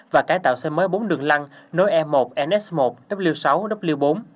và cải tạo xây mới bốn đường lăng nối e một ns một w sáu w bốn